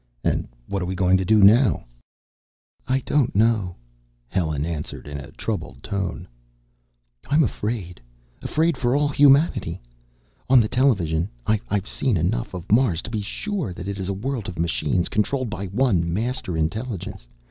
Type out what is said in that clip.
"And what are we going to do now?" "I don't know," Helen answered in a troubled tone. "I'm afraid. Afraid for all humanity. On the television, I've seen enough of Mars to be sure that it is a world of machines, controlled by one Master Intelligence.